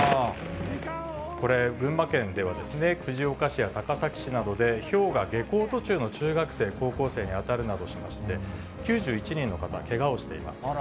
これ、群馬県では藤岡市や高崎市などで、ひょうが下校途中の中学生、高校生に当たるなどしまして、９１人の方がけがをしています。